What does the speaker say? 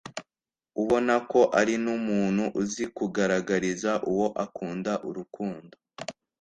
ubonako ari n’umuntu uzi kugaragariza uwo akunda urukundo.